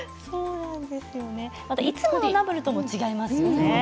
いつものナムルとも違いますよね。